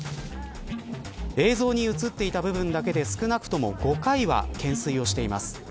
映像に映っていた部分だけで少なくとも５回は懸垂をしています。